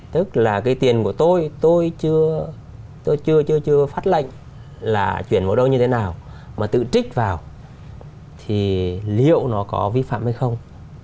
tức là cái tiền của tôi tôi chưa tôi chưa chưa chưa phát lệnh là chuyển vào đâu như thế nào mà tự trích vào thì liệu nó có vi phạm hay không